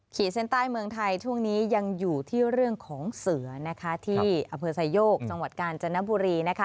ขีดเส้นใต้เมืองไทยช่วงนี้ยังอยู่ที่เรื่องของเสือที่อำเภอไซโยกจังหวัดกาญจนบุรี